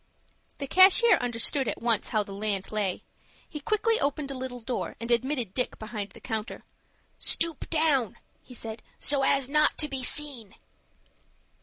The cashier understood at once how the land lay. He quickly opened a little door, and admitted Dick behind the counter. "Stoop down," he said, "so as not to be seen."